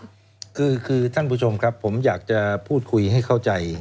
คือท่านผู้ชมครับผมอยากจะพูดคุยให้เข้าใจ